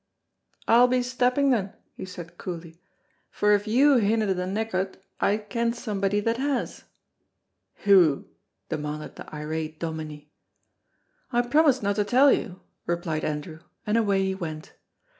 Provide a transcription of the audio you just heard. "I'll be stepping, then," he said coolly, "for if you hinna the knack o't I ken somebody that has." "Who?" demanded the irate Dominie. "I promised no to tell you," replied Andrew, and away he went. Mr.